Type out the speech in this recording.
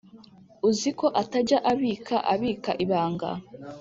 uziko atajya abika abika ibanga